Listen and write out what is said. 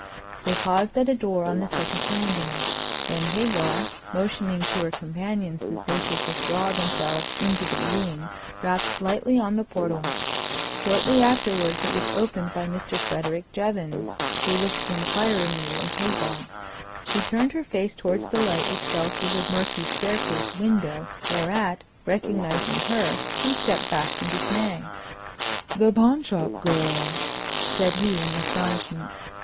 They paused at a door on the second landing. Then Hagar, motioning to her companions that they should withdraw themselves into the gloom, rapped lightly on the portal. Shortly afterwards it was opened by Mr. Frederick Jevons, who looked inquiringly at Hagar. She turned her face towards the light which fell through the murky staircase window, whereat, recognizing her, he stepped back in dismay. "The pawn shop girl!" said he in astonishment.